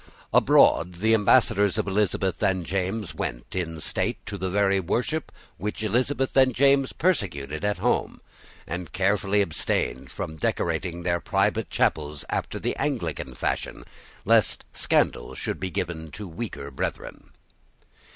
Abroad the ambassadors of Elizabeth and James went in state to the very worship which Elizabeth and James persecuted at home, and carefully abstained from decorating their private chapels after the Anglican fashion, lest scandal should be given to weaker brethren.